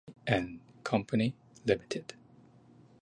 Wimpey and Co Ltd.